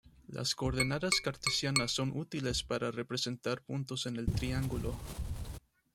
Las coordenadas cartesianas son útiles para representar puntos en el triángulo.